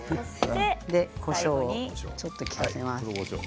こしょう、ちょっと利かせます。